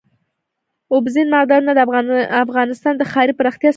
اوبزین معدنونه د افغانستان د ښاري پراختیا سبب کېږي.